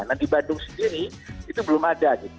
nah di bandung sendiri itu belum ada gitu